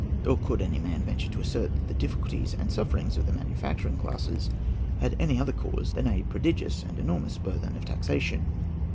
Or could any man venture to assert that the difficulties and sufferings of the manufacturing classes had any other cause than a prodigious and enormous burthen of taxation?